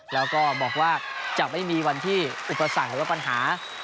แล้วก็บอกว่าจะไม่มีความปัญหาหรอก